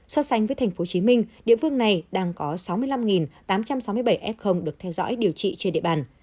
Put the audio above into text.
so sánh với tp hcm địa phương này đang có sáu mươi năm tám trăm sáu mươi bảy f được theo dõi điều trị trên địa bàn